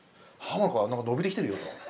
鱧の皮何か伸びてきてるよ」と。